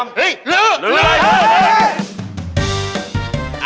หรือ